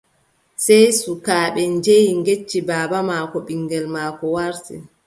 Sey sukaaɓe njehi ngecci baaba maako ɓiŋngel maako warti.